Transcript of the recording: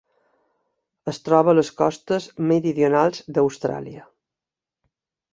Es troba a les costes meridionals d'Austràlia.